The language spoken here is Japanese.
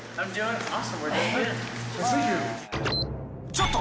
ちょっと！